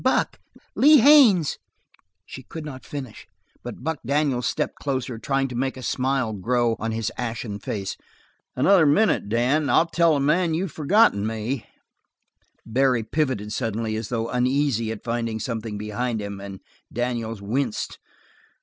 Buck Lee Haines " She could not finish, but Buck Daniels stepped closer, trying to make a smile grow on his ashen face. "Another minute, Dan, and I'll tell a man you've forgotten me." Barry pivoted suddenly as though uneasy at finding something behind him, and Daniels winced.